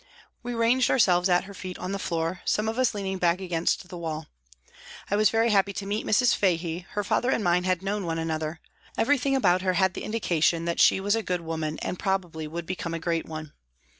We ranged ourselves at her feet on the floor, some of us leaning back against the wall. I was very happy to meet Mrs. Fahey, her father and mine had known one another; every thing about her had the indication that she was a good woman and probably would become a great one.